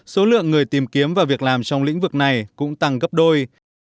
số lượng người tìm kiếm và việc làm trong lĩnh vực này cũng tăng gấp đôi